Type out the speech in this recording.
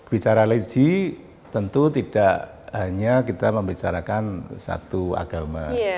bicara legi tentu tidak hanya kita membicarakan satu agama